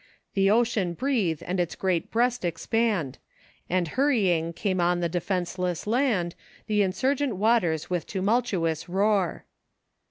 The ocean breathe and its great breast expand ; And hurrying, came on the defenseless land, The insurgent waters with tumultuous roar.